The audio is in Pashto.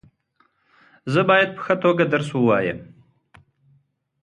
زه باید په ښه توګه درس وایم.